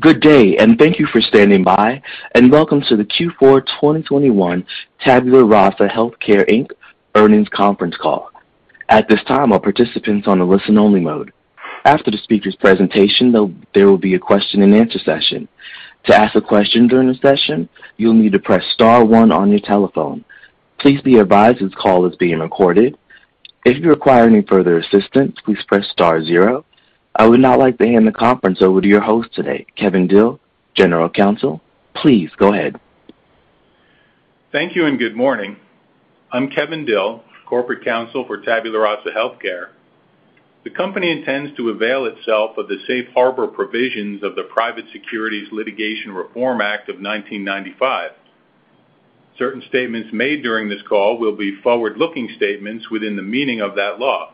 Good day, and thank you for standing by, and welcome to the Q4 2021 Tabula Rasa HealthCare, Inc. earnings conference call. At this time, all participants are on a listen-only mode. After the speaker's presentation, there will be a question-and-answer session. To ask a question during the session, you'll need to press star one on your telephone. Please be advised this call is being recorded. If you require any further assistance, please press star zero. I would now like to hand the conference over to your host today, Kevin Dill, General Counsel. Please go ahead. Thank you and good morning. I'm Kevin Dill, Corporate Counsel for Tabula Rasa HealthCare. The company intends to avail itself of the safe harbor provisions of the Private Securities Litigation Reform Act of 1995. Certain statements made during this call will be forward-looking statements within the meaning of that law.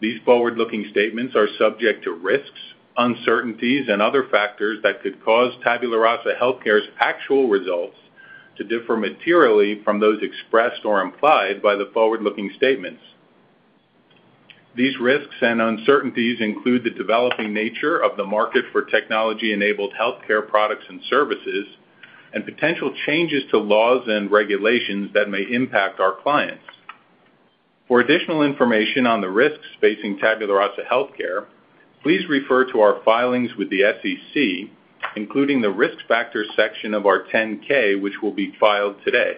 These forward-looking statements are subject to risks, uncertainties and other factors that could cause Tabula Rasa HealthCare's actual results to differ materially from those expressed or implied by the forward-looking statements. These risks and uncertainties include the developing nature of the market for technology-enabled healthcare products and services and potential changes to laws and regulations that may impact our clients. For additional information on the risks facing Tabula Rasa HealthCare, please refer to our filings with the SEC, including the Risk Factors section of our 10-K, which will be filed today.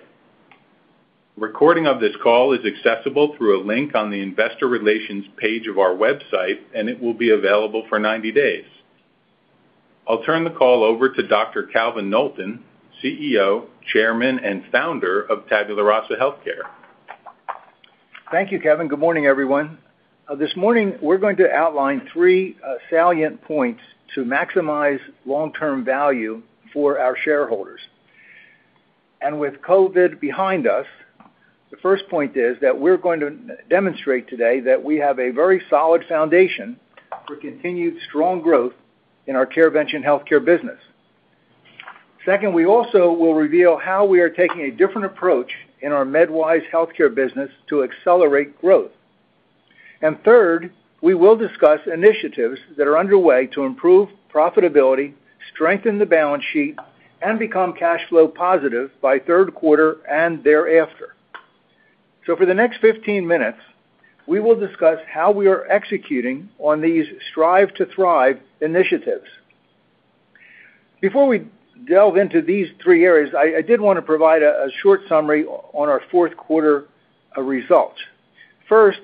A recording of this call is accessible through a link on the investor relations page of our website, and it will be available for 90 days. I'll turn the call over to Dr. Calvin Knowlton, CEO, Chairman, and Founder of Tabula Rasa HealthCare. Thank you, Kevin. Good morning, everyone. This morning, we're going to outline three salient points to maximize long-term value for our shareholders. With COVID behind us, the first point is that we're going to demonstrate today that we have a very solid foundation for continued strong growth in our CareVention HealthCare business. Second, we also will reveal how we are taking a different approach in our MedWise HealthCare business to accelerate growth. Third, we will discuss initiatives that are underway to improve profitability, strengthen the balance sheet, and become cash flow positive by third quarter and thereafter. For the next 15 minutes, we will discuss how we are executing on these strive to thrive initiatives. Before we delve into these three areas, I did want to provide a short summary on our fourth quarter results. First,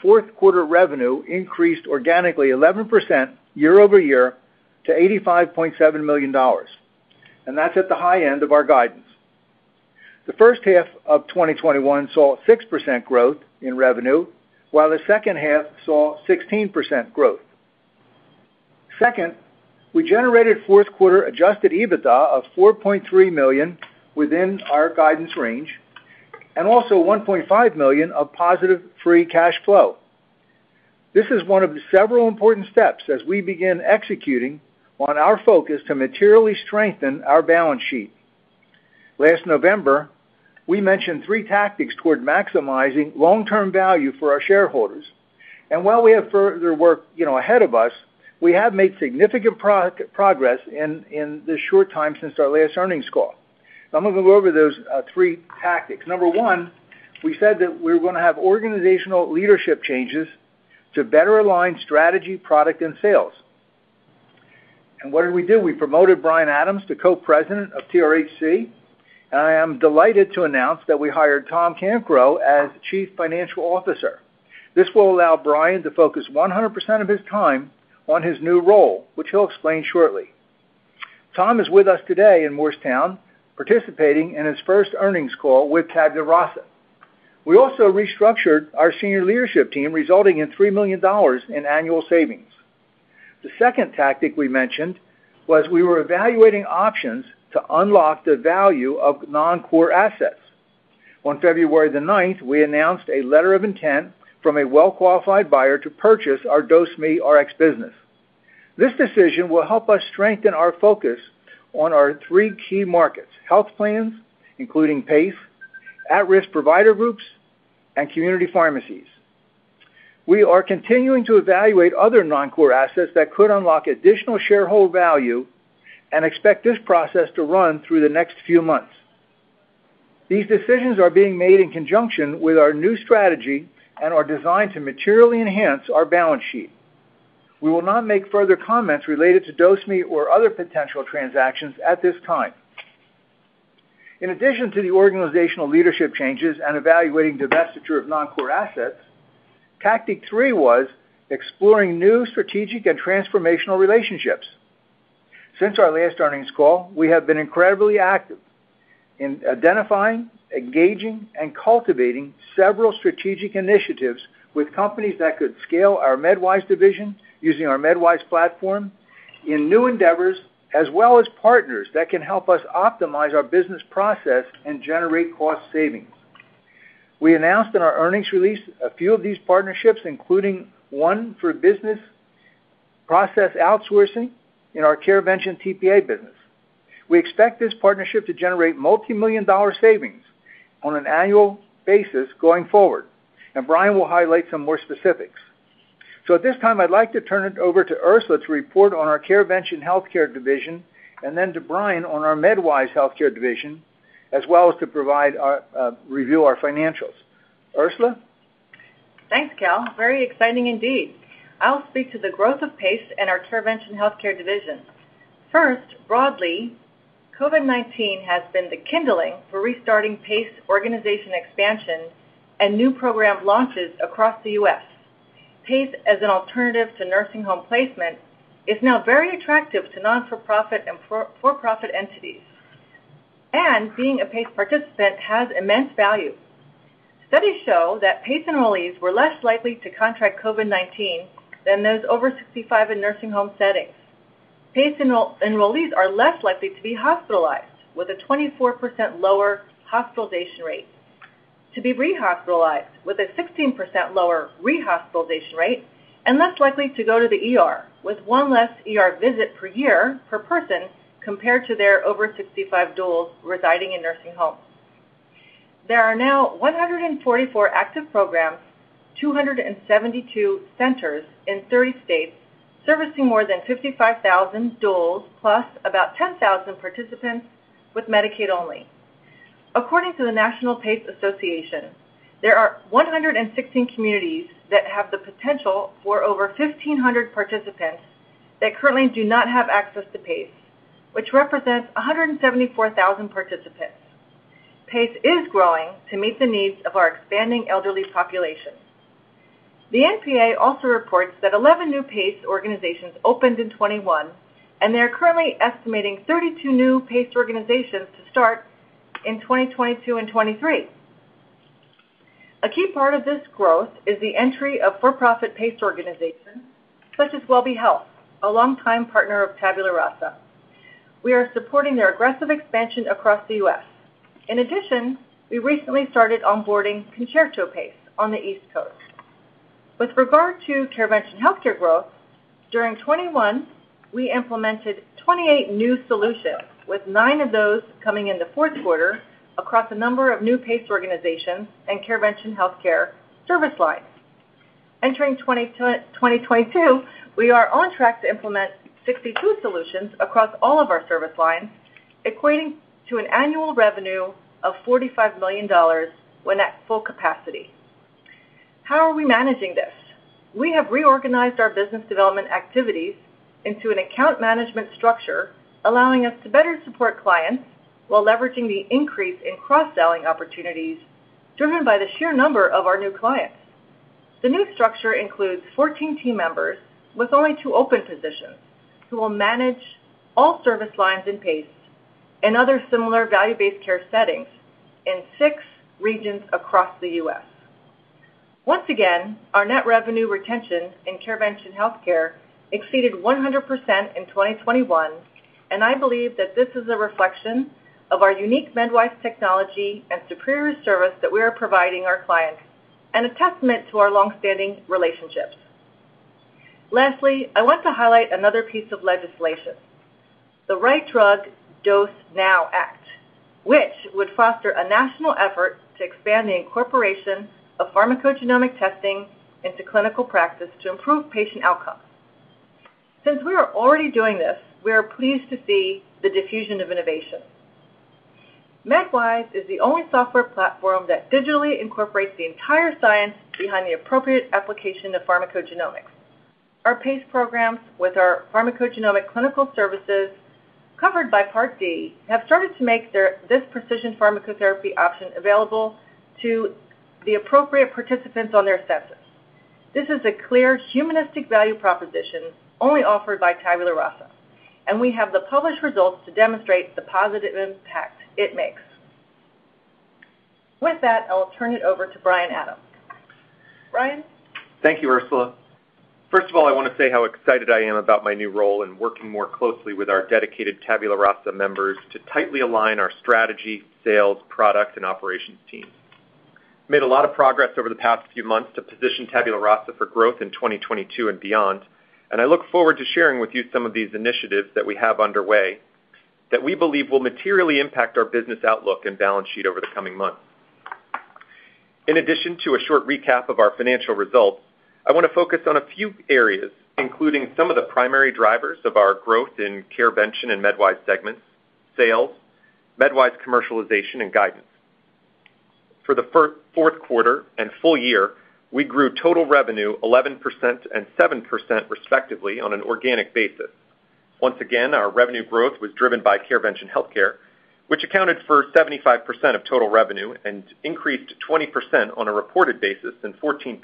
fourth quarter revenue increased organically 11% year-over-year to $85.7 million, and that's at the high end of our guidance. The first half of 2021 saw 6% growth in revenue, while the second half saw 16% growth. Second, we generated fourth quarter adjusted EBITDA of $4.3 million within our guidance range and also $1.5 million of positive free cash flow. This is one of several important steps as we begin executing on our focus to materially strengthen our balance sheet. Last November, we mentioned three tactics toward maximizing long-term value for our shareholders. While we have further work, you know, ahead of us, we have made significant progress in this short time since our last earnings call. I'm going to go over those three tactics. Number one, we said that we were gonna have organizational leadership changes to better align strategy, product, and sales. What did we do? We promoted Brian Adams to Co-President of TRHC. I am delighted to announce that we hired Tom Cancro as Chief Financial Officer. This will allow Brian to focus 100% of his time on his new role, which he'll explain shortly. Tom is with us today in Morristown, participating in his first earnings call with Tabula Rasa. We also restructured our senior leadership team, resulting in $3 million in annual savings. The second tactic we mentioned was we were evaluating options to unlock the value of non-core assets. On February 9, we announced a letter of intent from a well-qualified buyer to purchase our DoseMeRx business. This decision will help us strengthen our focus on our three key markets, health plans, including PACE, at-risk provider groups, and community pharmacies. We are continuing to evaluate other non-core assets that could unlock additional shareholder value and expect this process to run through the next few months. These decisions are being made in conjunction with our new strategy and are designed to materially enhance our balance sheet. We will not make further comments related to DoseMe or other potential transactions at this time. In addition to the organizational leadership changes and evaluating divestiture of non-core assets, tactic three was exploring new strategic and transformational relationships. Since our last earnings call, we have been incredibly active in identifying, engaging, and cultivating several strategic initiatives with companies that could scale our MedWise division using our MedWise platform in new endeavors, as well as partners that can help us optimize our business process and generate cost savings. We announced in our earnings release a few of these partnerships, including one for business process outsourcing in our CareVention TPA business. We expect this partnership to generate multi-million-dollar savings on an annual basis going forward, and Brian will highlight some more specifics. At this time, I'd like to turn it over to Orsula to report on our CareVention HealthCare division and then to Brian on our MedWise HealthCare division, as well as to provide a review of our financials. Orsula? Thanks, Cal. Very exciting indeed. I'll speak to the growth of PACE and our CareVention HealthCare division. First, broadly, COVID-19 has been the kindling for restarting PACE organization expansion and new program launches across the U.S. PACE as an alternative to nursing home placement is now very attractive to not-for-profit and for-profit entities. Being a PACE participant has immense value. Studies show that PACE enrollees were less likely to contract COVID-19 than those over 65 in nursing home settings. PACE enrollees are less likely to be hospitalized, with a 24% lower hospitalization rate, to be re-hospitalized, with a 16% lower re-hospitalization rate, and less likely to go to the ER, with one less ER visit per year per person compared to their over 65 duals residing in nursing homes. There are now 144 active programs, 272 centers in 30 states, servicing more than 55,000 duals, plus about 10,000 participants with Medicaid only. According to the National PACE Association, there are 116 communities that have the potential for over 1,500 participants that currently do not have access to PACE, which represents 174,000 participants. PACE is growing to meet the needs of our expanding elderly population. The NPA also reports that 11 new PACE organizations opened in 2021, and they are currently estimating 32 new PACE organizations to start in 2022 and 2023. A key part of this growth is the entry of for-profit PACE organizations such as WelbeHealth, a longtime partner of Tabula Rasa. We are supporting their aggressive expansion across the U.S. In addition, we recently started onboarding Concerto PACE on the East Coast. With regard to CareVention HealthCare growth, during 2021, we implemented 28 new solutions, with nine of those coming in the fourth quarter across a number of new PACE organizations and CareVention HealthCare service lines. Entering 2022, we are on track to implement 62 solutions across all of our service lines, equating to an annual revenue of $45 million when at full capacity. How are we managing this? We have reorganized our business development activities into an account management structure, allowing us to better support clients while leveraging the increase in cross-selling opportunities driven by the sheer number of our new clients. The new structure includes 14 team members with only two open positions who will manage all service lines in PACE and other similar value-based care settings in six regions across the U.S. Once again, our net revenue retention in CareVention HealthCare exceeded 100% in 2021, and I believe that this is a reflection of our unique MedWise technology and superior service that we are providing our clients and a testament to our long-standing relationships. Lastly, I want to highlight another piece of legislation, the Right Drug Dose Now Act, which would foster a national effort to expand the incorporation of pharmacogenomic testing into clinical practice to improve patient outcomes. Since we are already doing this, we are pleased to see the diffusion of innovation. MedWise is the only software platform that digitally incorporates the entire science behind the appropriate application of pharmacogenomics. Our PACE programs with our pharmacogenomic clinical services covered by Part D have started to make this precision pharmacotherapy option available to the appropriate participants on their census. This is a clear humanistic value proposition only offered by Tabula Rasa, and we have the published results to demonstrate the positive impact it makes. With that, I will turn it over to Brian Adams. Brian? Thank you, Orsula. First of all, I wanna say how excited I am about my new role in working more closely with our dedicated Tabula Rasa members to tightly align our strategy, sales, product, and operations teams. Made a lot of progress over the past few months to position Tabula Rasa for growth in 2022 and beyond, and I look forward to sharing with you some of these initiatives that we have underway that we believe will materially impact our business outlook and balance sheet over the coming months. In addition to a short recap of our financial results, I wanna focus on a few areas, including some of the primary drivers of our growth in CareVention and MedWise segments, sales, MedWise commercialization, and guidance. For the fourth quarter and full year, we grew total revenue 11% and 7% respectively on an organic basis. Once again, our revenue growth was driven by CareVention HealthCare, which accounted for 75% of total revenue and increased 20% on a reported basis and 14%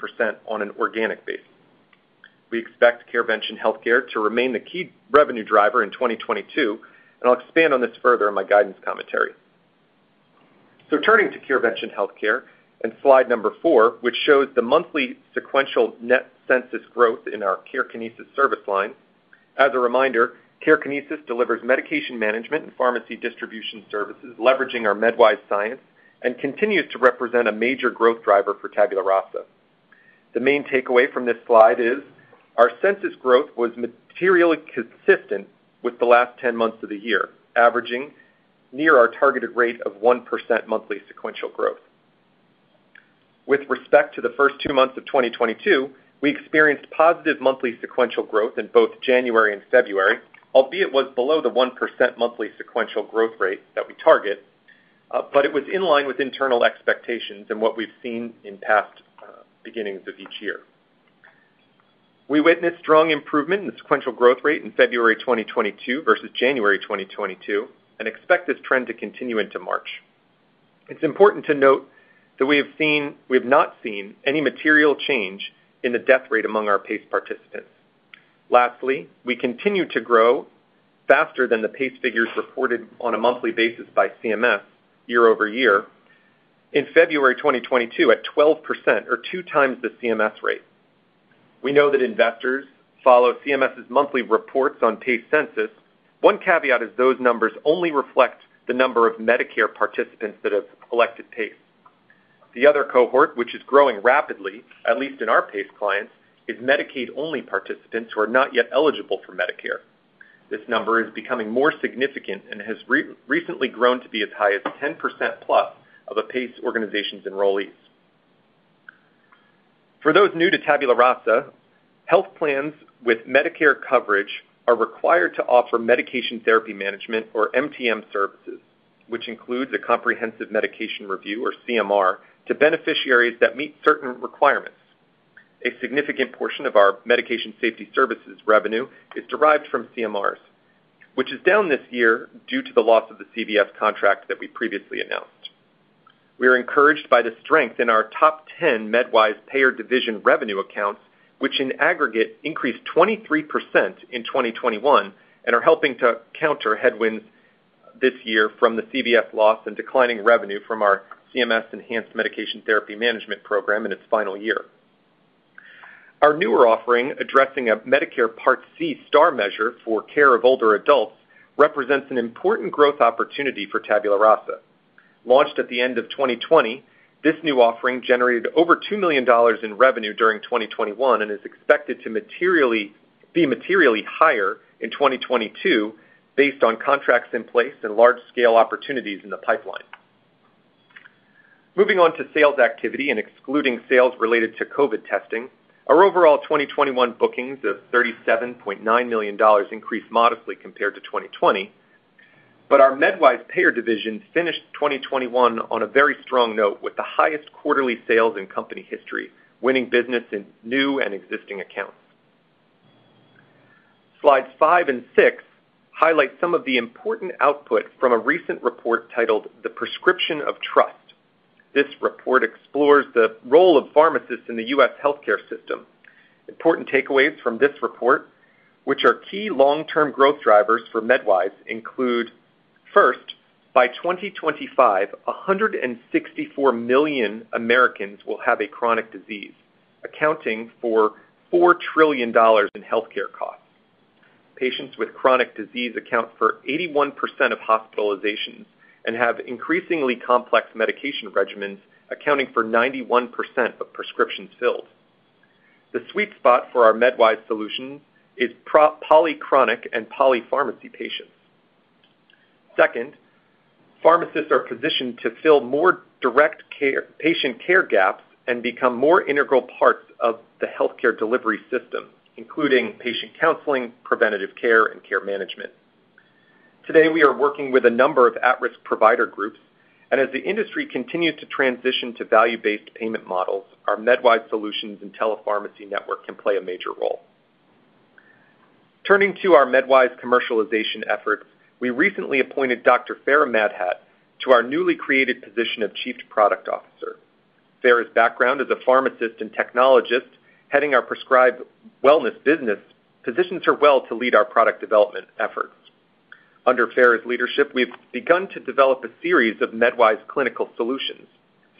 on an organic basis. We expect CareVention HealthCare to remain the key revenue driver in 2022, and I'll expand on this further in my guidance commentary. Turning to CareVention HealthCare, and slide four, which shows the monthly sequential net census growth in our CareKinesis service line. As a reminder, CareKinesis delivers medication management and pharmacy distribution services leveraging our MedWise science and continues to represent a major growth driver for Tabula Rasa. The main takeaway from this slide is our census growth was materially consistent with the last 10 months of the year, averaging near our targeted rate of 1% monthly sequential growth. With respect to the first two months of 2022, we experienced positive monthly sequential growth in both January and February, albeit was below the 1% monthly sequential growth rate that we target. It was in line with internal expectations and what we've seen in past beginnings of each year. We witnessed strong improvement in the sequential growth rate in February 2022 versus January 2022 and expect this trend to continue into March. It's important to note that we have not seen any material change in the death rate among our PACE participants. Lastly, we continue to grow faster than the PACE figures reported on a monthly basis by CMS year-over-year in February 2022 at 12% or 2x the CMS rate. We know that investors follow CMS's monthly reports on PACE census. One caveat is those numbers only reflect the number of Medicare participants that have selected PACE. The other cohort, which is growing rapidly, at least in our PACE clients, is Medicaid-only participants who are not yet eligible for Medicare. This number is becoming more significant and has recently grown to be as high as 10%+ of a PACE organization's enrollees. For those new to Tabula Rasa, health plans with Medicare coverage are required to offer medication therapy management or MTM services, which includes a comprehensive medication review or CMR to beneficiaries that meet certain requirements. A significant portion of our medication safety services revenue is derived from CMRs, which is down this year due to the loss of the CVS contract that we previously announced. We are encouraged by the strength in our top 10 MedWise Payer division revenue accounts, which in aggregate increased 23% in 2021 and are helping to counter headwinds this year from the CVS loss and declining revenue from our CMS Enhanced Medication Therapy Management program in its final year. Our newer offering, addressing a Medicare Part C STAR measure for care of older adults, represents an important growth opportunity for Tabula Rasa. Launched at the end of 2020, this new offering generated over $2 million in revenue during 2021 and is expected to be materially higher in 2022 based on contracts in place and large-scale opportunities in the pipeline. Moving on to sales activity and excluding sales related to COVID testing, our overall 2021 bookings of $37.9 million increased modestly compared to 2020. Our MedWise Payer division finished 2021 on a very strong note with the highest quarterly sales in company history, winning business in new and existing accounts. Slides five and six highlight some of the important output from a recent report titled The Prescription of Trust. This report explores the role of pharmacists in the U.S. healthcare system. Important takeaways from this report, which are key long-term growth drivers for MedWise, include, first, by 2025, 164 million Americans will have a chronic disease, accounting for $4 trillion in healthcare costs. Patients with chronic disease account for 81% of hospitalizations and have increasingly complex medication regimens, accounting for 91% of prescriptions filled. The sweet spot for our MedWise solution is pro-polychronic and polypharmacy patients. Second, pharmacists are positioned to fill more direct care, patient care gaps and become more integral parts of the healthcare delivery system, including patient counseling, preventative care, and care management. Today, we are working with a number of at-risk provider groups, and as the industry continues to transition to value-based payment models, our MedWise solutions and telepharmacy network can play a major role. Turning to our MedWise commercialization efforts, we recently appointed Dr. Farah Madhat to our newly created position of Chief Product Officer. Farah's background as a pharmacist and technologist heading our PrescribeWellness business positions her well to lead our product development efforts. Under Farah's leadership, we've begun to develop a series of MedWise clinical solutions,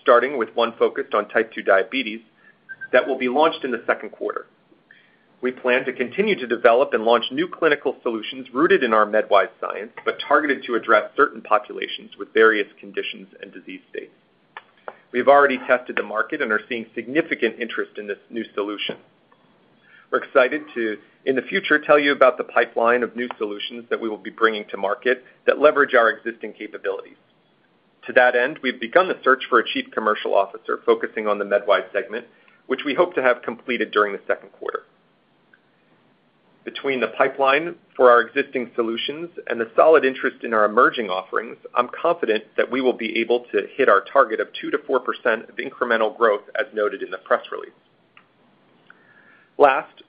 starting with one focused on Type 2 diabetes that will be launched in the second quarter. We plan to continue to develop and launch new clinical solutions rooted in our MedWise science, but targeted to address certain populations with various conditions and disease states. We have already tested the market and are seeing significant interest in this new solution. We're excited to, in the future, tell you about the pipeline of new solutions that we will be bringing to market that leverage our existing capabilities. To that end, we've begun a search for a Chief Commercial Officer focusing on the MedWise segment, which we hope to have completed during the second quarter. Between the pipeline for our existing solutions and the solid interest in our emerging offerings, I'm confident that we will be able to hit our target of 2%-4% of incremental growth as noted in the press release. Last,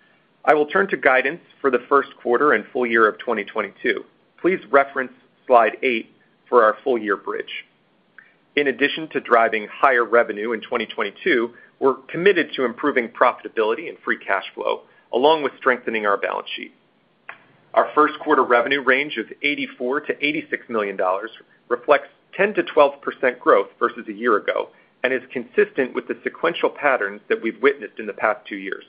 I will turn to guidance for the first quarter and full year of 2022. Please reference slide eight for our full year bridge. In addition to driving higher revenue in 2022, we're committed to improving profitability and free cash flow along with strengthening our balance sheet. Our first quarter revenue range of $84 million-$86 million reflects 10%-12% growth versus a year ago and is consistent with the sequential patterns that we've witnessed in the past two years.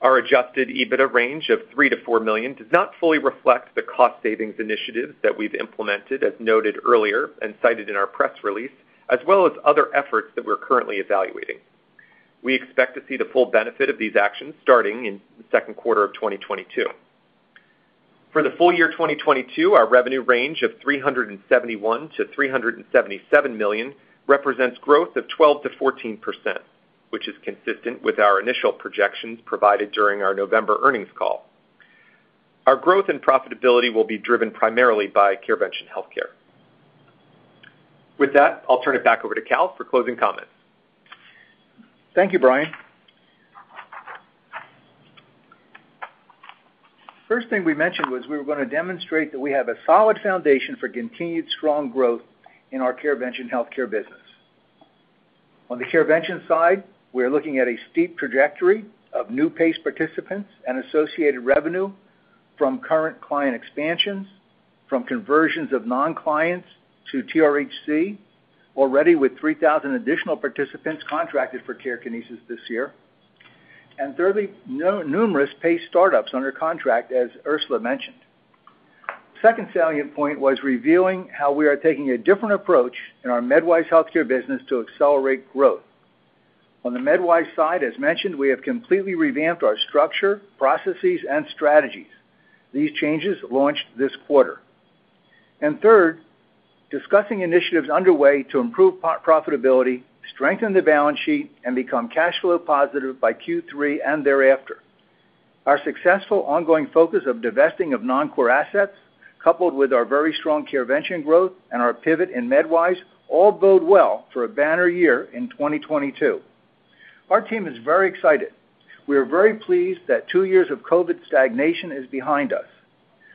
Our adjusted EBITDA range of $3 million-$4 million does not fully reflect the cost savings initiatives that we've implemented as noted earlier and cited in our press release, as well as other efforts that we're currently evaluating. We expect to see the full benefit of these actions starting in the second quarter of 2022. For the full year 2022, our revenue range of $371 million-$377 million represents 12%-14% growth, which is consistent with our initial projections provided during our November earnings call. Our growth and profitability will be driven primarily by CareVention HealthCare. With that, I'll turn it back over to Cal for closing comments. Thank you, Brian. First thing we mentioned was we were gonna demonstrate that we have a solid foundation for continued strong growth in our CareVention HealthCare business. On the CareVention side, we are looking at a steep trajectory of new PACE participants and associated revenue from current client expansions, from conversions of non-clients to TRHC, already with 3,000 additional participants contracted for CareKinesis this year, and thirdly, numerous paid startups under contract, as Orsula mentioned. Second salient point was reviewing how we are taking a different approach in our MedWise HealthCare business to accelerate growth. On the MedWise side, as mentioned, we have completely revamped our structure, processes, and strategies. These changes launched this quarter. Third, discussing initiatives underway to improve profitability, strengthen the balance sheet, and become cash flow positive by Q3 and thereafter. Our successful ongoing focus of divesting of non-core assets, coupled with our very strong CareVention growth and our pivot in MedWise, all bode well for a banner year in 2022. Our team is very excited. We are very pleased that two years of COVID stagnation is behind us.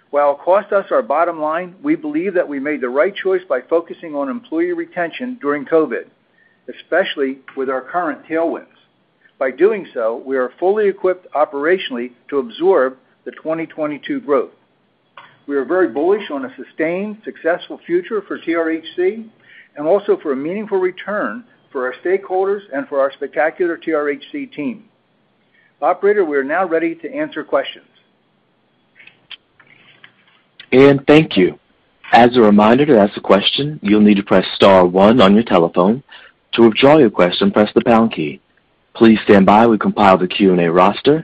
While it cost us our bottom line, we believe that we made the right choice by focusing on employee retention during COVID, especially with our current tailwinds. By doing so, we are fully equipped operationally to absorb the 2022 growth. We are very bullish on a sustained, successful future for TRHC and also for a meaningful return for our stakeholders and for our spectacular TRHC team. Operator, we are now ready to answer questions. Thank you. As a reminder, to ask a question, you'll need to press star one on your telephone. To withdraw your question, press the pound key. Please stand by. We're compiling the Q&A roster.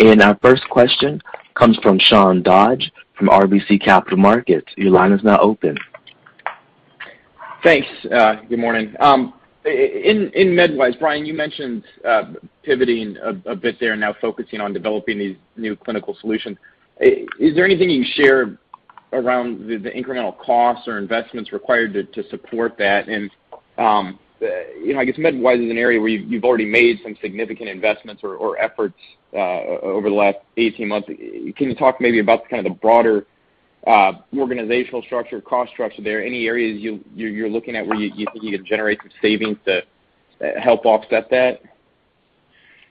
Our first question comes from Sean Dodge from RBC Capital Markets. Your line is now open. Thanks. Good morning. In MedWise, Brian, you mentioned pivoting a bit there and now focusing on developing these new clinical solutions. Is there anything you can share around the incremental costs or investments required to support that? You know, I guess MedWise is an area where you've already made some significant investments or efforts over the last 18 months. Can you talk maybe about kind of the broader organizational structure, cost structure there? Any areas you're looking at where you think you can generate some savings to help offset that?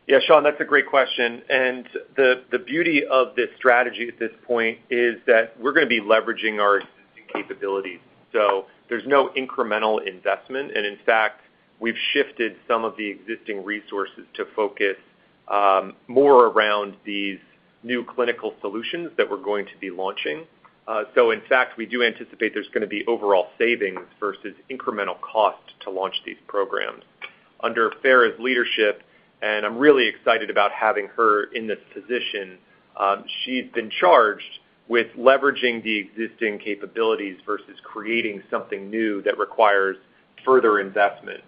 Yeah, Sean, that's a great question. The beauty of this strategy at this point is that we're gonna be leveraging our existing capabilities. There's no incremental investment. In fact, we've shifted some of the existing resources to focus more around these new clinical solutions that we're going to be launching. In fact, we do anticipate there's gonna be overall savings versus incremental cost to launch these programs. Under Farah's leadership, I'm really excited about having her in this position. She's been charged with leveraging the existing capabilities versus creating something new that requires further investment.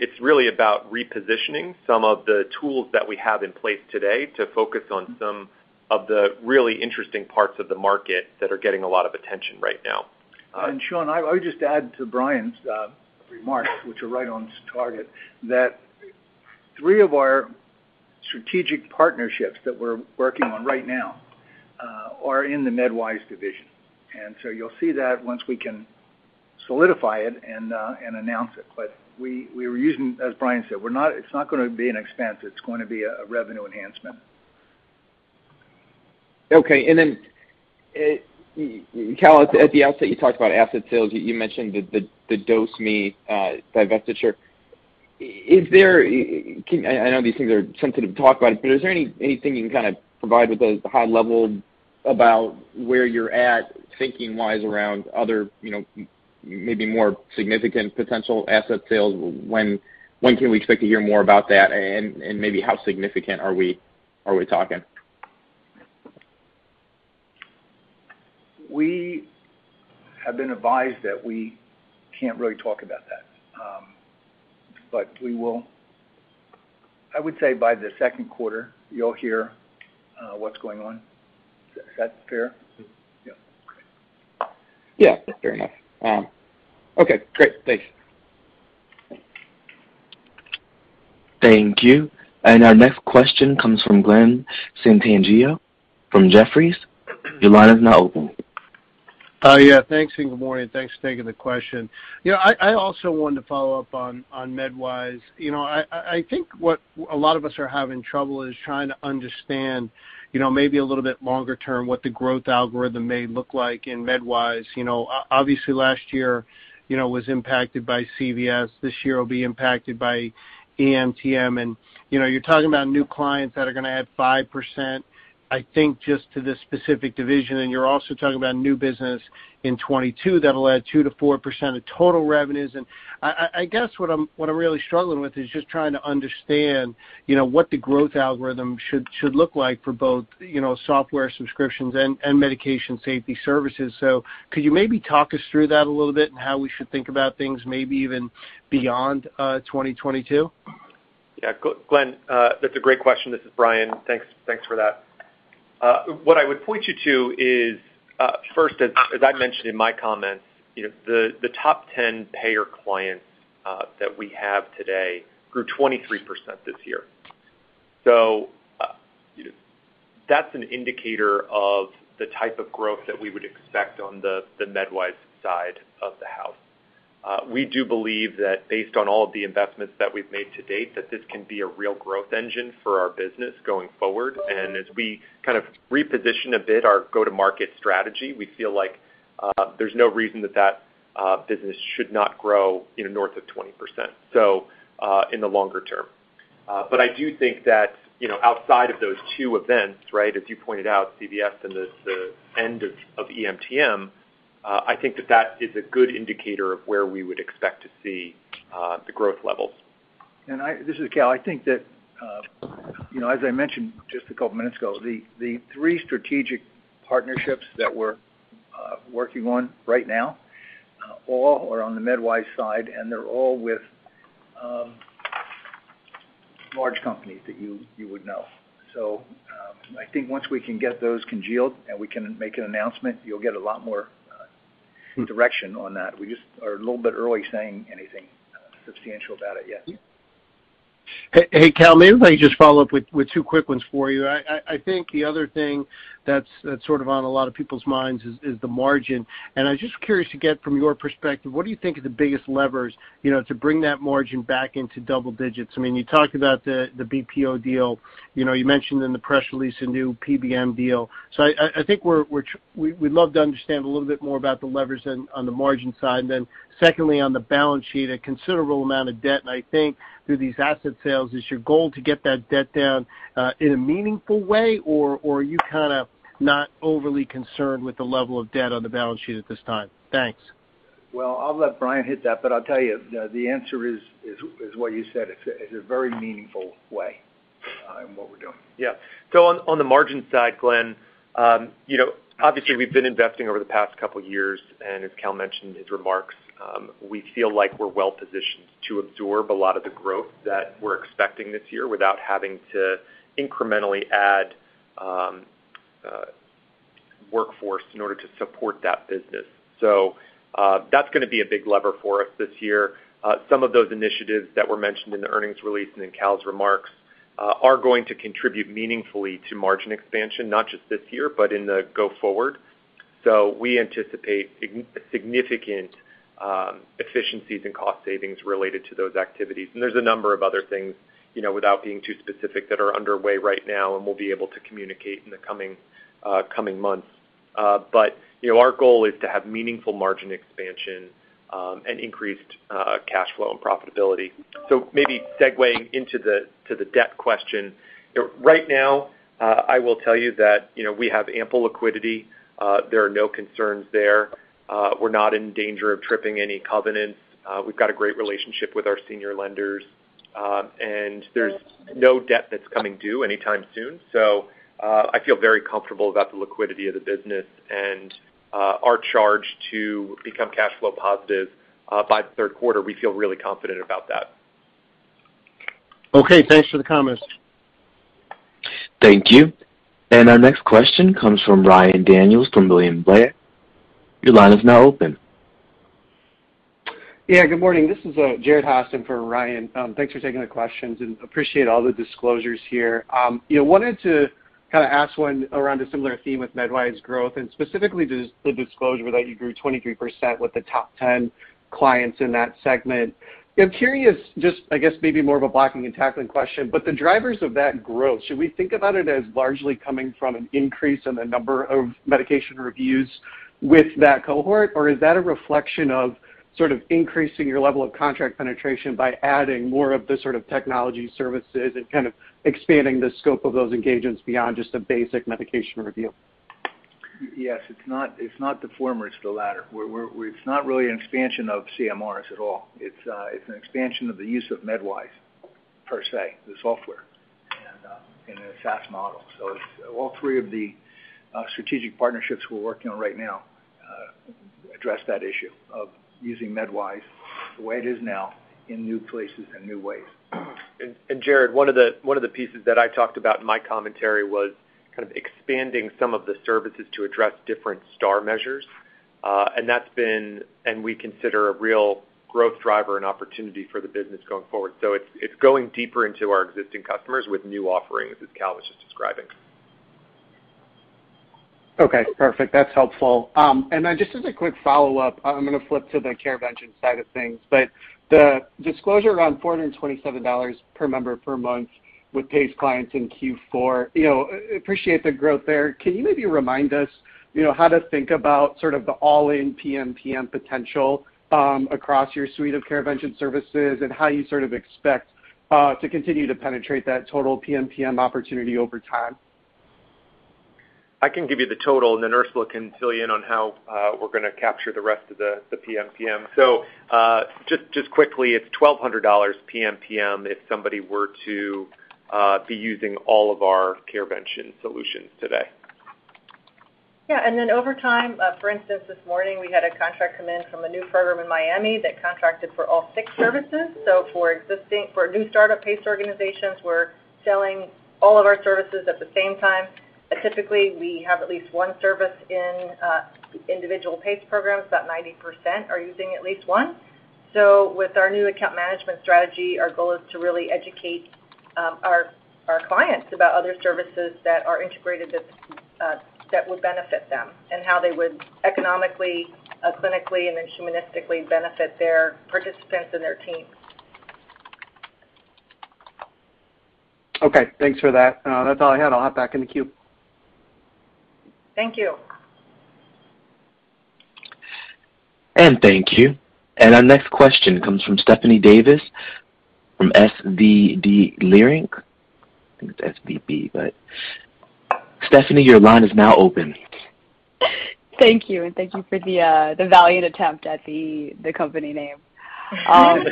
It's really about repositioning some of the tools that we have in place today to focus on some of the really interesting parts of the market that are getting a lot of attention right now. Sean, I would just add to Brian's remarks, which are right on target, that three of our strategic partnerships that we're working on right now are in the MedWise division. You'll see that once we can solidify it and announce it. We were using. As Brian said, it's not gonna be an expense, it's going to be a revenue enhancement. Okay. Cal, at the outset, you talked about asset sales. You mentioned the DoseMe divestiture. I know these things are sensitive to talk about, but is there anything you can kinda provide with a high level about where you're at thinking-wise around other, you know, maybe more significant potential asset sales? When can we expect to hear more about that? Maybe how significant are we talking? We have been advised that we can't really talk about that. We will, I would say, by the second quarter, you'll hear what's going on. Is that fair? Mm. Yeah. Okay. Yeah, fair enough. Okay, great. Thanks. Thank you. Our next question comes from Glen Santangelo from Jefferies. Your line is now open. Oh, yeah. Thanks and good morning. Thanks for taking the question. You know, I also wanted to follow up on MedWise. You know, I think what a lot of us are having trouble is trying to understand, you know, maybe a little bit longer term what the growth algorithm may look like in MedWise. You know, obviously, last year, you know, was impacted by CVS. This year will be impacted by EMTM. You know, you're talking about new clients that are gonna add 5%, I think, just to this specific division, and you're also talking about new business in 2022 that'll add 2%-4% of total revenues. I guess what I'm really struggling with is just trying to understand, you know, what the growth algorithm should look like for both, you know, software subscriptions and medication safety services. Could you maybe talk us through that a little bit and how we should think about things maybe even beyond 2022? Yeah. Glenn, that's a great question. This is Brian. Thanks for that. What I would point you to is, first, as I mentioned in my comments, you know, the top 10 payer clients that we have today grew 23% this year. That's an indicator of the type of growth that we would expect on the MedWise side of the house. We do believe that based on all of the investments that we've made to date, that this can be a real growth engine for our business going forward. As we kind of reposition a bit our go-to-market strategy, we feel like there's no reason that business should not grow, you know, north of 20%, in the longer term. I do think that, you know, outside of those two events, right, as you pointed out, CVS and the end of EMTM, I think that that is a good indicator of where we would expect to see the growth levels. This is Cal. I think that, you know, as I mentioned just a couple minutes ago, the three strategic partnerships that we're working on right now all are on the MedWise side, and they're all with large companies that you would know. I think once we can get those congealed and we can make an announcement, you'll get a lot more direction on that. We just are a little bit early saying anything substantial about it yet. Hey, Cal, maybe let me just follow up with two quick ones for you. I think the other thing that's sort of on a lot of people's minds is the margin. I'm just curious to get from your perspective, what do you think are the biggest levers, you know, to bring that margin back into double digits? I mean, you talked about the BPO deal. You know, you mentioned in the press release a new PBM deal. I think we'd love to understand a little bit more about the levers on the margin side. Then secondly, on the balance sheet, a considerable amount of debt, and I think through these asset sales. Is your goal to get that debt down, in a meaningful way or are you kinda not overly concerned with the level of debt on the balance sheet at this time? Thanks. Well, I'll let Brian hit that, but I'll tell you the answer is what you said. It's a very meaningful way in what we're doing. Yeah. On the margin side, Glenn, you know, obviously we've been investing over the past couple years, and as Cal mentioned in his remarks, we feel like we're well-positioned to absorb a lot of the growth that we're expecting this year without having to incrementally add workforce in order to support that business. That's gonna be a big lever for us this year. Some of those initiatives that were mentioned in the earnings release and in Cal's remarks are going to contribute meaningfully to margin expansion, not just this year, but in the go forward. We anticipate significant efficiencies and cost savings related to those activities. There's a number of other things, you know, without being too specific, that are underway right now and we'll be able to communicate in the coming months. Our goal is to have meaningful margin expansion and increased cash flow and profitability. Maybe segueing into the debt question. Right now, I will tell you that, you know, we have ample liquidity. There are no concerns there. We're not in danger of tripping any covenants. We've got a great relationship with our senior lenders and there's no debt that's coming due anytime soon. I feel very comfortable about the liquidity of the business and our charge to become cash flow positive by the third quarter. We feel really confident about that. Okay, thanks for the comments. Thank you. Our next question comes from Ryan Daniels from William Blair. Your line is now open. Yeah, good morning. This is Jared Haase for Ryan. Thanks for taking the questions and appreciate all the disclosures here. You know, wanted to kinda ask one around a similar theme with MedWise growth and specifically the disclosure that you grew 23% with the top 10 clients in that segment. I'm curious, just I guess maybe more of a blocking and tackling question, but the drivers of that growth, should we think about it as largely coming from an increase in the number of medication reviews with that cohort? Or is that a reflection of sort of increasing your level of contract penetration by adding more of the sort of technology services and kind of expanding the scope of those engagements beyond just a basic medication review? Yes. It's not the former, it's the latter. It's not really an expansion of CMRs at all. It's an expansion of the use of MedWise per se, the software, and in a SaaS model. All three of the strategic partnerships we're working on right now address that issue of using MedWise the way it is now in new places and new ways. Jared, one of the pieces that I talked about in my commentary was kind of expanding some of the services to address different STAR measures. We consider a real growth driver and opportunity for the business going forward. It's going deeper into our existing customers with new offerings, as Cal was just describing. Okay, perfect. That's helpful. Just as a quick follow-up, I'm gonna flip to the CareVention side of things. The disclosure around $427 per member per month with PACE clients in Q4, you know, appreciate the growth there. Can you maybe remind us, you know, how to think about sort of the all-in PMPM potential across your suite of CareVention services and how you sort of expect to continue to penetrate that total PMPM opportunity over time? I can give you the total, and then Orsula can fill you in on how we're gonna capture the rest of the PMPM. Just quickly, it's $1,200 PMPM if somebody were to be using all of our CareVention solutions today. Yeah. Then over time, for instance, this morning, we had a contract come in from a new program in Miami that contracted for all six services. For new start-up PACE organizations, we're selling all of our services at the same time. Typically, we have at least one service in individual PACE programs. About 90% are using at least one. With our new account management strategy, our goal is to really educate our clients about other services that are integrated that would benefit them and how they would economically, clinically, and then humanistically benefit their participants and their teams. Okay. Thanks for that. That's all I had. I'll hop back in the queue. Thank you. Thank you. Our next question comes from Stephanie Davis from SVB Leerink. I think it's SVB, but Stephanie, your line is now open. Thank you, and thank you for the valiant attempt at the company name. I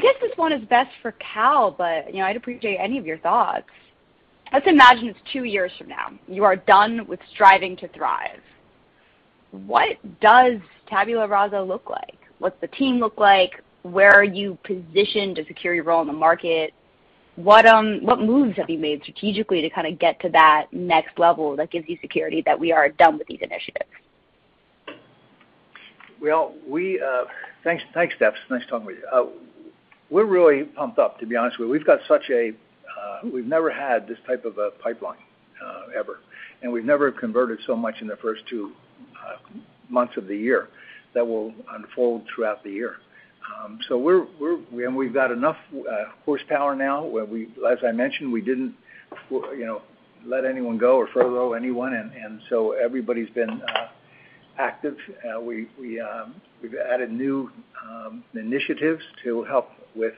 guess this one is best for Cal, but, you know, I'd appreciate any of your thoughts. Let's imagine it's two years from now. You are done with Striving to Thrive. What does Tabula Rasa look like? What's the team look like? Where are you positioned to secure your role in the market? What moves have you made strategically to kinda get to that next level that gives you security that we are done with these initiatives? Thanks, Steph. It's nice talking with you. We're really pumped up, to be honest with you. We've got such a pipeline. We've never had this type of a pipeline, ever, and we've never converted so much in the first two months of the year that will unfold throughout the year. So we're. We've got enough horsepower now. As I mentioned, we didn't, you know, let anyone go or furlough anyone, and so everybody's been active. We've added new initiatives to help with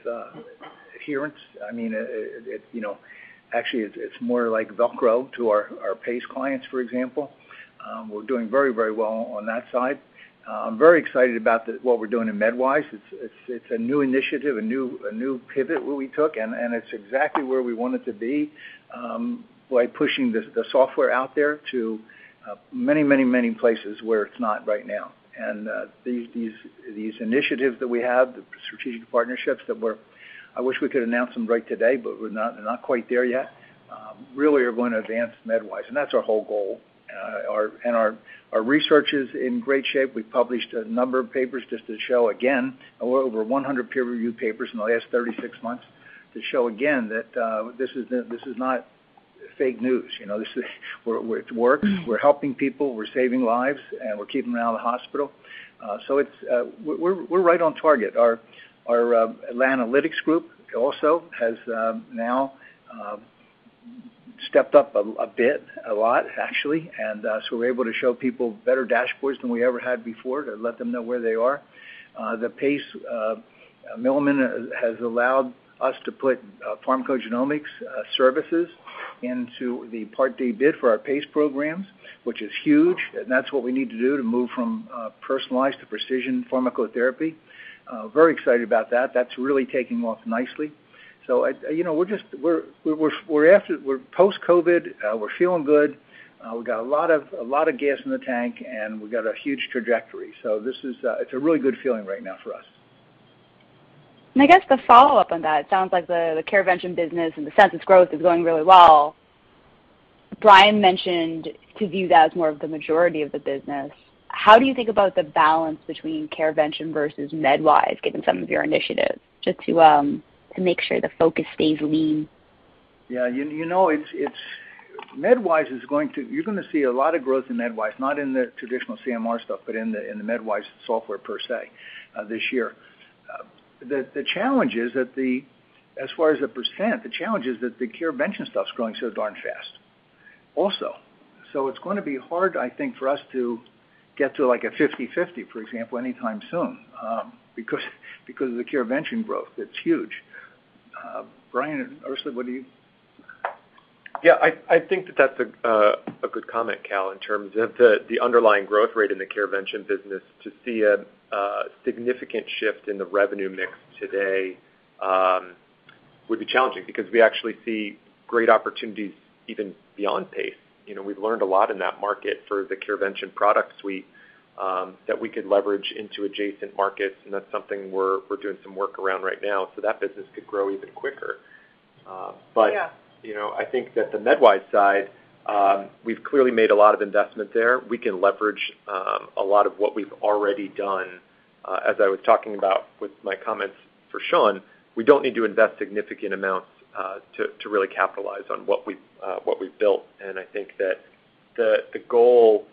adherence. I mean, it, you know, actually, it's more like Velcro to our PACE clients, for example. We're doing very, very well on that side. I'm very excited about what we're doing in MedWise. It's a new initiative, a new pivot we took, and it's exactly where we want it to be by pushing the software out there to many places where it's not right now. These initiatives that we have, the strategic partnerships I wish we could announce them right now, but we're not. They're not quite there yet and really are going to advance MedWise, and that's our whole goal. Our research is in great shape. We published a number of papers just to show again, over 100 peer-reviewed papers in the last 36 months, to show again that this is not fake news. You know, this is. It works. We're helping people, we're saving lives, and we're keeping them out of the hospital. We're right on target. Our analytics group also has now stepped up a bit, a lot actually. We're able to show people better dashboards than we ever had before to let them know where they are. Milliman has allowed us to put pharmacogenomics services into the Part D bid for our PACE programs, which is huge. That's what we need to do to move from personalized to precision pharmacotherapy. Very excited about that. That's really taking off nicely. You know, we're post-COVID. We're feeling good. We've got a lot of gas in the tank, and we've got a huge trajectory. This is a really good feeling right now for us. I guess the follow-up on that. It sounds like the CareVention business, in the sense its growth is going really well. Brian mentioned to view that as more of the majority of the business. How do you think about the balance between CareVention versus MedWise, given some of your initiatives, just to make sure the focus stays lean? Yeah. You know, you're gonna see a lot of growth in MedWise, not in the traditional CMR stuff, but in the MedWise software per se, this year. The challenge is that, as far as the percent, the CareVention stuff's growing so darn fast also. It's gonna be hard, I think, for us to get to, like, a 50/50, for example, anytime soon, because of the CareVention growth. It's huge. Brian, Orsula, what do you... Yeah, I think that's a good comment, Cal, in terms of the underlying growth rate in the CareVention business. To see a significant shift in the revenue mix today would be challenging because we actually see great opportunities even beyond PACE. You know, we've learned a lot in that market for the CareVention product suite that we could leverage into adjacent markets, and that's something we're doing some work around right now so that business could grow even quicker. Yeah. You know, I think that the MedWise side, we've clearly made a lot of investment there. We can leverage a lot of what we've already done. As I was talking about with my comments for Sean, we don't need to invest significant amounts to really capitalize on what we've built. I think that the goal,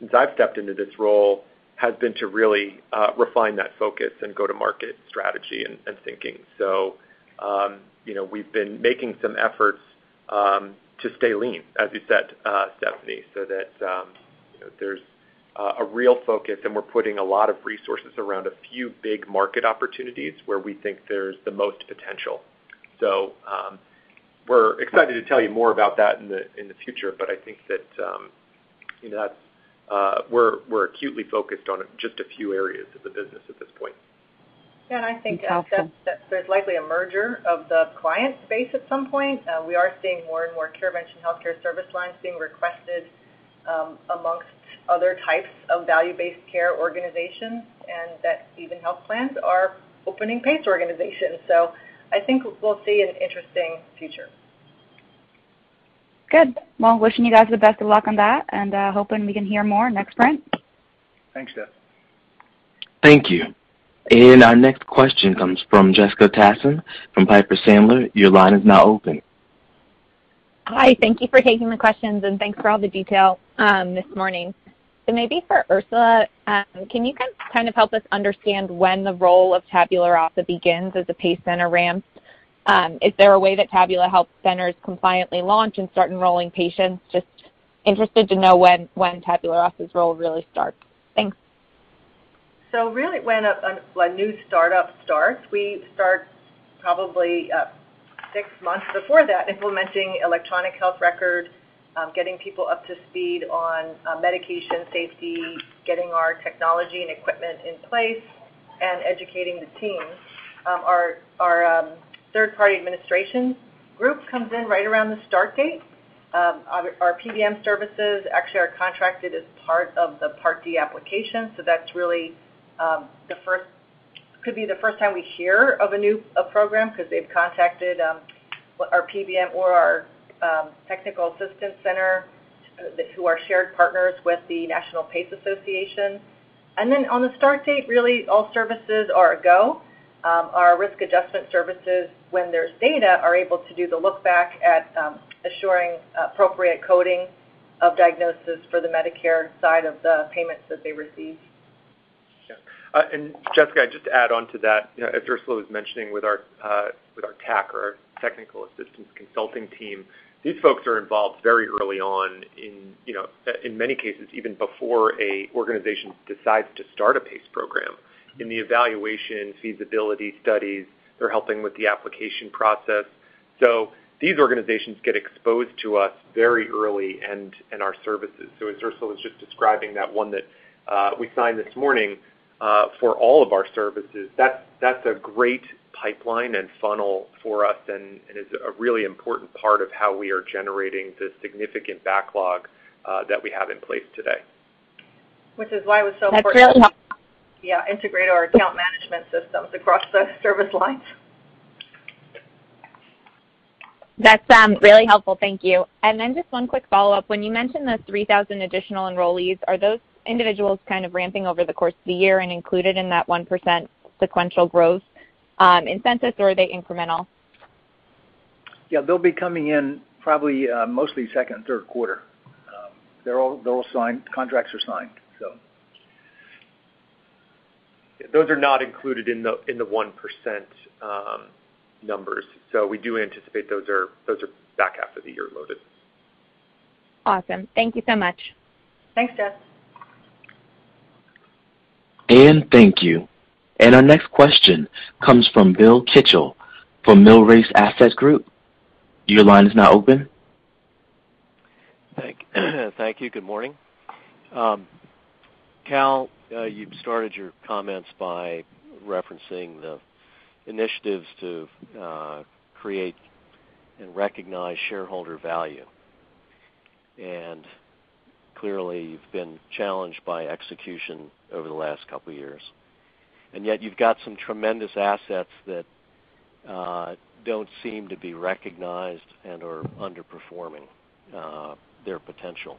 since I've stepped into this role, has been to really refine that focus and go-to-market strategy and thinking. You know, we've been making some efforts to stay lean, as you said, Stephanie, so that you know, there's a real focus, and we're putting a lot of resources around a few big market opportunities where we think there's the most potential. We're excited to tell you more about that in the future, but I think that you know, that's, we're acutely focused on just a few areas of the business at this point. Yeah. I think that there's likely a merger of the client base at some point. We are seeing more and more CareVention HealthCare service lines being requested amongst other types of value-based care organizations, and that even health plans are opening PACE organizations. I think we'll see an interesting future. Good. Well, wishing you guys the best of luck on that, and hoping we can hear more next sprint. Thanks, Steph. Thank you. Our next question comes from Jessica Tassan from Piper Sandler. Your line is now open. Hi. Thank you for taking the questions, and thanks for all the detail this morning. Maybe for Orsula, can you guys kind of help us understand when the role of Tabula Rasa begins as the PACE center ramps? Is there a way that Tabula Rasa helps centers compliantly launch and start enrolling patients? Just interested to know when Tabula Rasa's role really starts. Thanks. Really when a new startup starts, we start probably six months before that, implementing electronic health record, getting people up to speed on medication safety, getting our technology and equipment in place and educating the team. Our third-party administration group comes in right around the start date. Our PBM services actually are contracted as part of the Part D application, so that's really could be the first time we hear of a new program 'cause they've contacted our PBM or our technical assistance center who are shared partners with the National PACE Association. On the start date, really all services are a go. Our risk adjustment services, when there's data, are able to do the look back at assuring appropriate coding of diagnosis for the Medicare side of the payments that they receive. Yeah. Jessica, just to add on to that, you know, as Orsula was mentioning with our TAC or our technical assistance consulting team, these folks are involved very early on in, you know, in many cases, even before a organization decides to start a PACE program. In the evaluation, feasibility studies, they're helping with the application process. These organizations get exposed to us very early and our services. As Orsula was just describing that one that we signed this morning for all of our services, that's a great pipeline and funnel for us and is a really important part of how we are generating the significant backlog that we have in place today. Which is why it was so important. That's really helpful. Yeah, integrate our account management systems across the service lines. That's really helpful. Thank you. Just one quick follow-up. When you mentioned the 3,000 additional enrollees, are those individuals kind of ramping over the course of the year and included in that 1% sequential growth, incentives, or are they incremental? Yeah, they'll be coming in probably, mostly second and third quarter. They're all signed. Contracts are signed, so. Those are not included in the 1% numbers. We do anticipate those are back half of the year loaded. Awesome. Thank you so much. Thanks, Jess. Thank you. Our next question comes from Bill Kitchel from Millrace Asset Group. Your line is now open. Thank you. Good morning. Cal, you've started your comments by referencing the initiatives to create and recognize shareholder value. Clearly, you've been challenged by execution over the last couple years. Yet, you've got some tremendous assets that don't seem to be recognized and are underperforming their potential.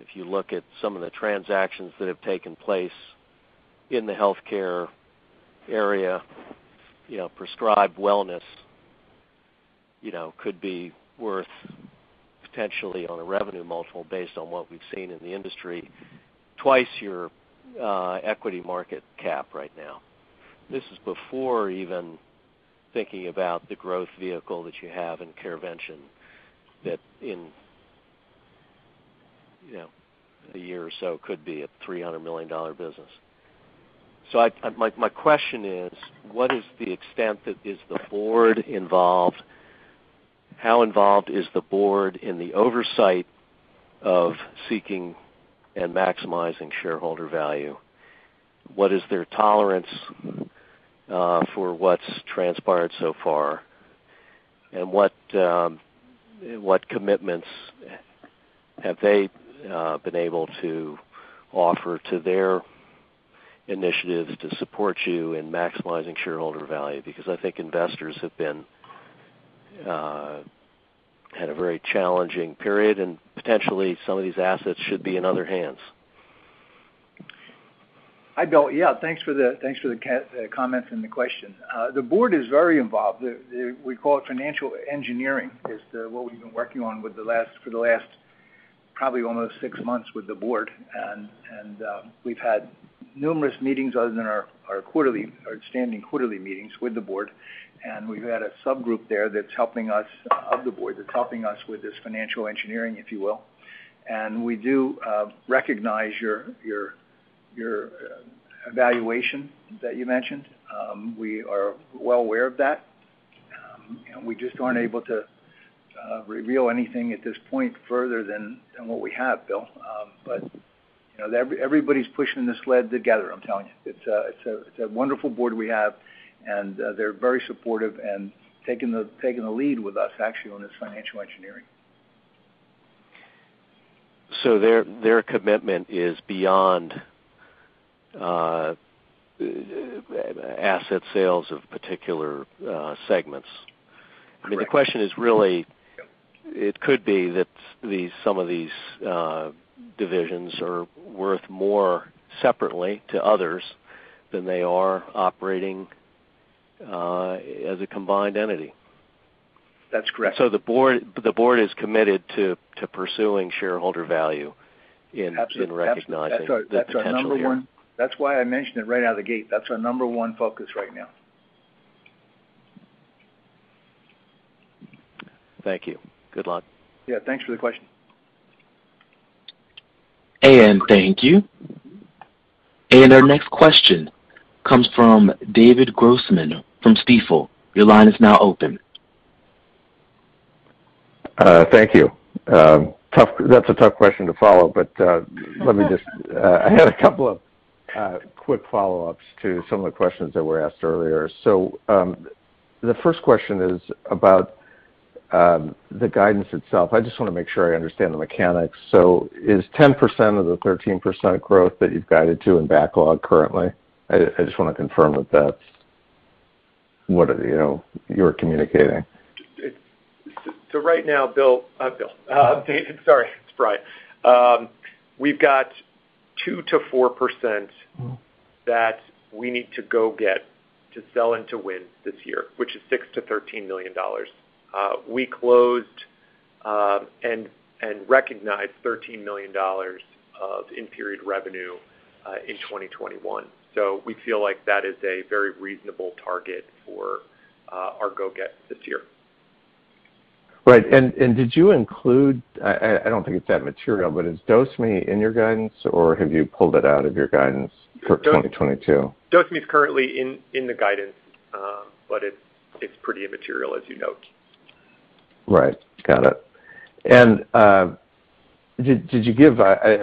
If you look at some of the transactions that have taken place in the healthcare area, you know, PrescribeWellness, you know, could be worth potentially on a revenue multiple based on what we've seen in the industry, twice your equity market cap right now. This is before even thinking about the growth vehicle that you have in CareVention that in, you know, a year or so could be a $300 million business. My question is, what is the extent that the board is involved? How involved is the board in the oversight of seeking and maximizing shareholder value? What is their tolerance for what's transpired so far? What commitments have they been able to offer to their initiatives to support you in maximizing shareholder value? Because I think investors have had a very challenging period, and potentially some of these assets should be in other hands. Hi, Bill. Yeah, thanks for the comments and the question. The board is very involved. We call it financial engineering, what we've been working on for the last probably almost six months with the board. We've had numerous meetings other than our standing quarterly meetings with the board, and we've had a subgroup there that's helping us, of the board, that's helping us with this financial engineering, if you will. We do recognize your evaluation that you mentioned. We are well aware of that. We just aren't able to reveal anything at this point further than what we have, Bill. You know, everybody's pushing this sled together, I'm telling you. It's a wonderful board we have, and they're very supportive and taking the lead with us actually on this financial engineering. Their commitment is beyond asset sales of particular segments. Correct. I mean, the question is really. Yep. It could be that some of these divisions are worth more separately to others than they are operating as a combined entity. That's correct. The board is committed to pursuing shareholder value in Absolutely. In recognizing the potential here. That's our number one. That's why I mentioned it right out of the gate. That's our number one focus right now. Thank you. Good luck. Yeah, thanks for the question. Thank you. Our next question comes from David Grossman from Stifel. Your line is now open. Thank you. That's a tough question to follow, but let me just, I have a couple of quick follow-ups to some of the questions that were asked earlier. The first question is about the guidance itself. I just wanna make sure I understand the mechanics. Is 10% of the 13% growth that you've guided to in backlog currently? I just wanna confirm that that's what, you know, you're communicating. Right now, Bill. David, sorry. It's Brian. We've got 2%-4%. Mm-hmm. That we need to go get to sell and to win this year, which is $6 million-$13 million. We closed and recognized $13 million of in-period revenue in 2021. We feel like that is a very reasonable target for our go get this year. Right. And did you include, I don't think it's that material, but is DoseMe in your guidance or have you pulled it out of your guidance for 2022? DoseMe is currently in the guidance, but it's pretty immaterial as you note. Right. Got it. I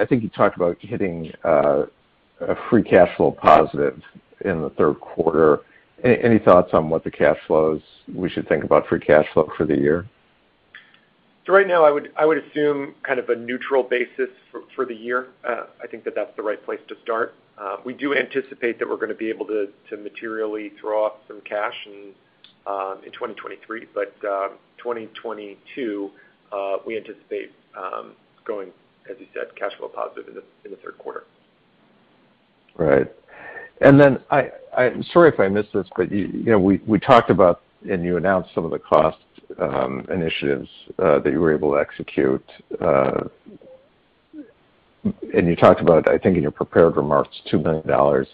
think you talked about hitting a free cash flow positive in the third quarter. Any thoughts on what the cash flows we should think about free cash flow for the year? Right now I would assume kind of a neutral basis for the year. I think that that's the right place to start. We do anticipate that we're gonna be able to materially throw off some cash in 2023. But 2022 we anticipate going, as you said, cash flow positive in the third quarter. Right. Sorry if I missed this, but you know, we talked about and you announced some of the cost initiatives that you were able to execute. You talked about, I think in your prepared remarks, $2 million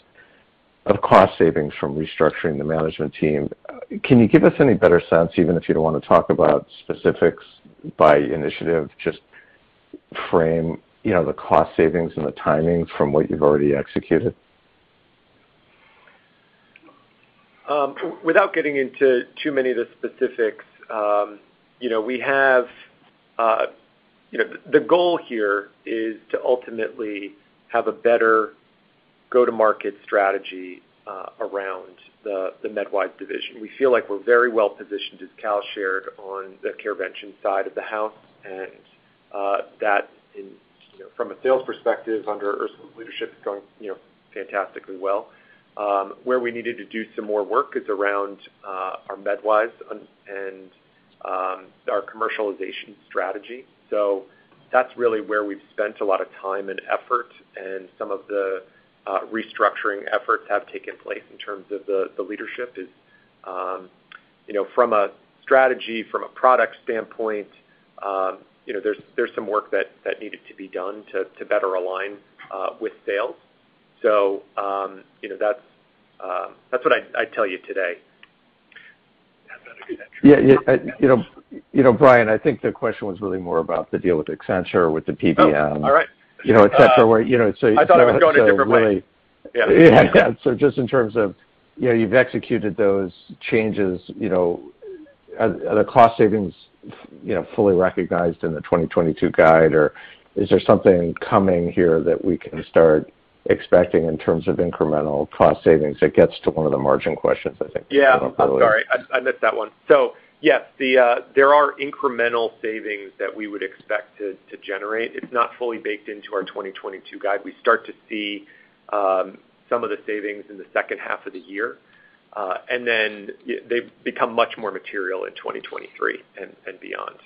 of cost savings from restructuring the management team. Can you give us any better sense, even if you don't wanna talk about specifics by initiative, just frame, you know, the cost savings and the timing from what you've already executed? Without getting into too many of the specifics, you know, we have, you know. The goal here is to ultimately have a better go-to-market strategy around the MedWise division. We feel like we're very well positioned, as Cal shared, on the CareVention side of the house, and that in, you know, from a sales perspective under Orsula's leadership is going, you know, fantastically well. Where we needed to do some more work is around our MedWise and our commercialization strategy. That's really where we've spent a lot of time and effort, and some of the restructuring efforts have taken place in terms of the leadership, you know, from a strategy, from a product standpoint, you know, there's some work that needed to be done to better align with sales. you know, that's what I'd tell you today. Yeah. You know, Brian, I think the question was really more about the deal with Accenture, with the PBM. Oh, all right. You know, et cetera, where, you know, so really. I thought it was going a different way. Yeah. Yeah. Just in terms of, you know, you've executed those changes, you know, are the cost savings, you know, fully recognized in the 2022 guide or is there something coming here that we can start expecting in terms of incremental cost savings that gets to one of the margin questions, I think? Yeah. I don't really- I'm sorry. I missed that one. Yes, there are incremental savings that we would expect to generate. It's not fully baked into our 2022 guide. We start to see some of the savings in the second half of the year. They become much more material in 2023 and beyond.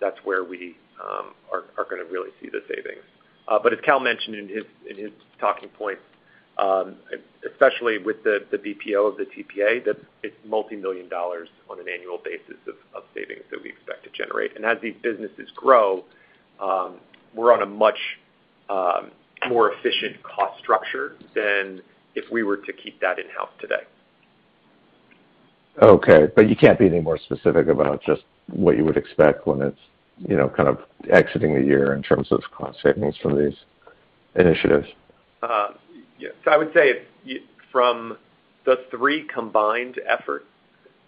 That's where we are gonna really see the savings. As Cal mentioned in his talking points, especially with the BPO of the TPA, that it's $multi-million on an annual basis of savings that we expect to generate. As these businesses grow, we're on a much more efficient cost structure than if we were to keep that in-house today. Okay, but you can't be any more specific about just what you would expect when it's, you know, kind of exiting the year in terms of cost savings from these initiatives? I would say from the three combined efforts,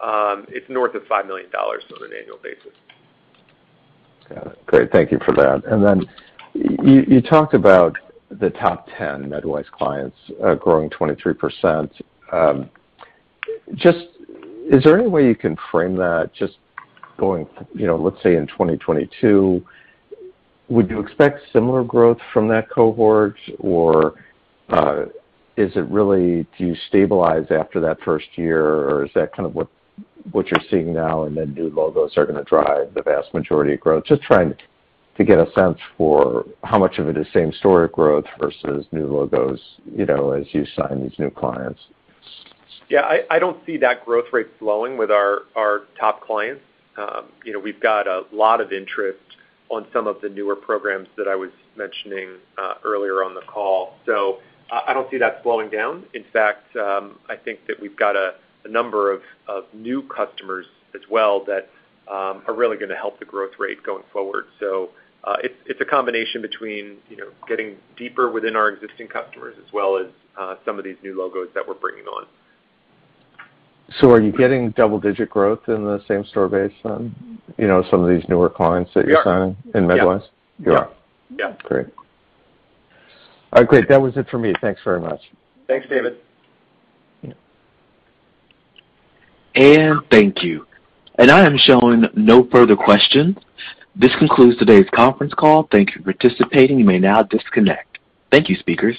it's north of $5 million on an annual basis. Got it. Great. Thank you for that. You talked about the top ten MedWise clients growing 23%. Just, is there any way you can frame that just going, you know, let's say in 2022, would you expect similar growth from that cohort? Or, is it really does it stabilize after that first year or is that kind of what you're seeing now and then new logos are gonna drive the vast majority of growth? Just trying to get a sense for how much of it is same store growth versus new logos, you know, as you sign these new clients. Yeah, I don't see that growth rate slowing with our top clients. You know, we've got a lot of interest on some of the newer programs that I was mentioning earlier on the call. I don't see that slowing down. In fact, I think that we've got a number of new customers as well that are really gonna help the growth rate going forward. It's a combination between you know, getting deeper within our existing customers as well as some of these new logos that we're bringing on. Are you getting double-digit growth in the same-store base based on, you know, some of these newer clients that you're signing? We are. in MedWise? Yeah. You are. Yeah. Great. All right, great. That was it for me. Thanks very much. Thanks, David. Yeah. Thank you. I am showing no further questions. This concludes today's conference call. Thank you for participating. You may now disconnect. Thank you, speakers.